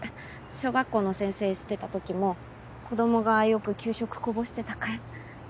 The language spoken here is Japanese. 小学校の先生してたときも子どもがよく給食こぼしてたから。